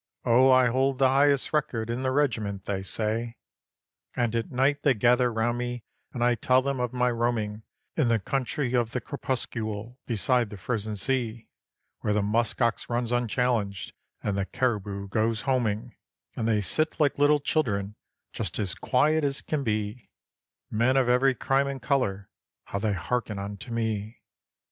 Oh I hold the highest record in the regiment, they say. And at night they gather round me, and I tell them of my roaming In the Country of the Crepuscule beside the Frozen Sea, Where the musk ox runs unchallenged, and the cariboo goes homing; And they sit like little children, just as quiet as can be: Men of every crime and colour, how they harken unto me!